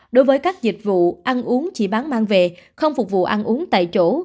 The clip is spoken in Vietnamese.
đối với các dịch vụ ăn uống chỉ bán mang về không phục vụ ăn uống tại chỗ